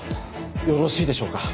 よろしいでしょうか？